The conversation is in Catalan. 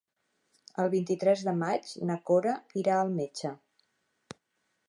El vint-i-tres de maig na Cora irà al metge.